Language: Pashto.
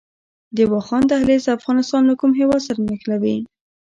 د واخان دهلیز افغانستان له کوم هیواد سره نښلوي؟